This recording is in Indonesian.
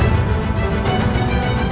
hidup raden walang susah